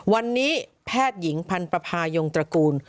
วันนี้แพทย์หญิงพันธภายงตระกูล